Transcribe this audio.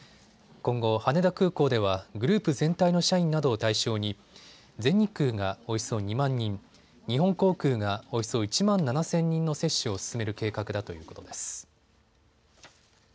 今後、羽田空港ではグループ全体の社員などを対象に全日空がおよそ２万人、日本航空がおよそ１万７０００人の接種を進める計画だということです。